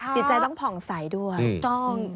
จิตใจต้องผ่องใสด้วยถูกต้อง